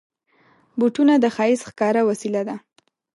بوټونه د ښایست ښکاره وسیله ده.